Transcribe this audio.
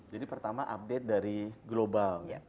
jadi pertama update dari global